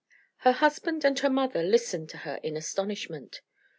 Her husband and her mother listened to her in astonishment.